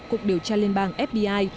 cục điều tra liên bang fbi